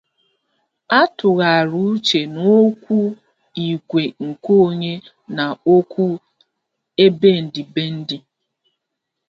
The issue of public versus private space comes into the debate.